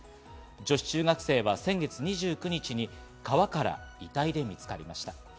女子中学生は先月２９日に川から遺体で見つかりました。